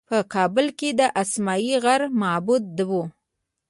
په کابل کې د اسمايي غره معبد و